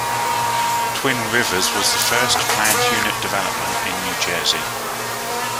Twin Rivers was the first planned unit development in New Jersey.